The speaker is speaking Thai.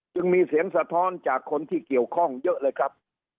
จึงมีเสียงสะท้อนจากคนที่เกี่ยวข้องเยอะเลยครับ